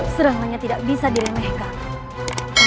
serangannya tidak bisa diremehkan